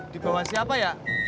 dibawah siapa ya